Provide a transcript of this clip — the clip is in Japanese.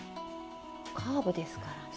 カーブですからね。